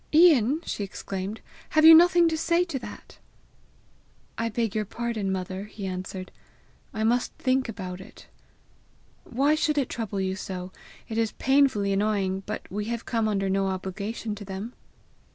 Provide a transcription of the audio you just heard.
"Ian!" she exclaimed, "have you nothing to say to that?" "I beg your pardon, mother," he answered: "I must think about it. Why should it trouble you so! It is painfully annoying, but we have come under no obligation to them!"